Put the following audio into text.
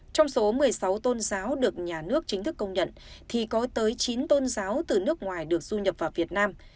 trong số một mươi sáu tôn giáo được nhà nước chính thức công nhận thì có tới chín tôn giáo từ nước ngoài được du nhập vào việt nam